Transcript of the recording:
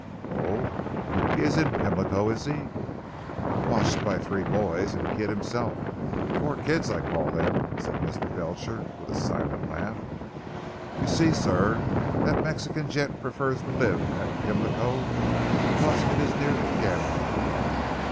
"Oh, he is in Pimlico is he?" "Watched by three boys, and Kidd himself. Four kids I call them," said Mr. Belcher with a silent laugh. "You see sir that Mexican gent prefers to live at Pimlico because it is near the Gambling Club.